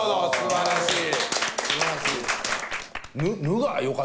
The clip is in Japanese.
はい。